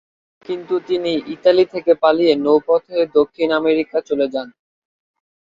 কিন্তু তিনি ইতালি থেকে পালিয়ে নৌপথে দক্ষিণ আমেরিকা চলে যান।